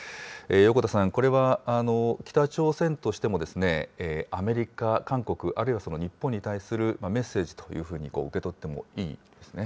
横田さん、これは北朝鮮としてもアメリカ、韓国、あるいは日本に対するメッセージというふうに受け取ってもいいですね。